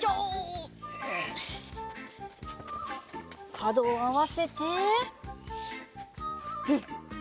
かどをあわせてうん。